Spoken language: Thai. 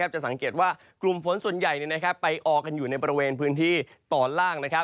จะสังเกตว่ากลุ่มฝนส่วนใหญ่ไปออกันอยู่ในบริเวณพื้นที่ตอนล่าง